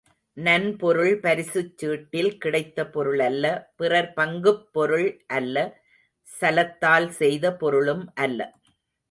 நன்பொருள் பரிசுச் சீட்டில் கிடைத்த பொருளல்ல பிறர் பங்குப் பொருள் அல்ல சலத்தால் செய்த பொருளும் அல்ல.